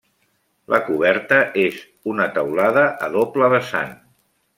La coberta és una teulada a doble vessant.